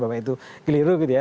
bahwa itu keliru gitu ya